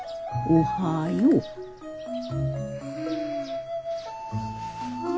おはよう。